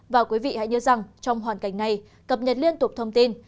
và quý vị hãy nhớ rằng trong hoàn cảnh này cập nhật liên tục thông tin